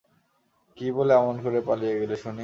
কী বলে আমন করে পালিয়ে গেলে শুনি?